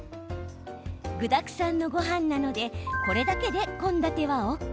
具だくさんのごはんなのでこれだけで献立はＯＫ。